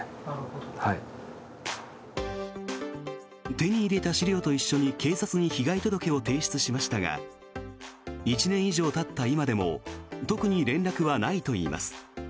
手に入れた資料と一緒に警察に被害届を提出しましたが１年以上経った今でも特に連絡はないといいます。